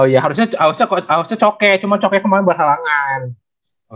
oh iya harusnya coke cuma coke kemarin bersalahan